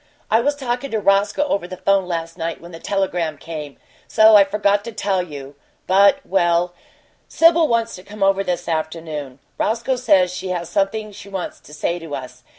I was talkin' to Roscoe over the 'phone last night when the telegram came, so I forgot to tell you, but well, Sibyl wants to come over this afternoon. Roscoe says she has something she wants to say to us.